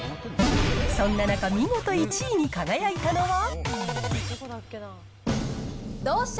そんな中、見事１位に輝いたのは。